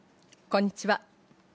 こんにちは。